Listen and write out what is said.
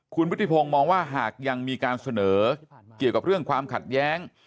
คุณพุทธิพงศ์มองว่าหากยังมีการเสนอเกี่ยวกับเรื่องความขัดแย้ง